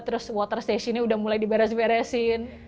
terus water station nya udah mulai diberes beresin